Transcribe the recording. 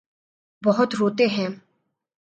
بہت روتے ہیں۔